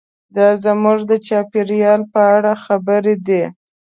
دا زموږ د چاپیریال په اړه خبرې دي.